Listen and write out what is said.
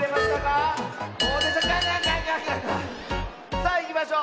さあいきましょう。